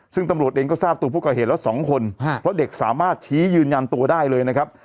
ซึ่งตำรวจเองก็ทราบตัวผู้ก่อเหตุแล้ว๒คนเพราะเด็กสามารถชี้ยืนยันตัวได้เลยนะครับ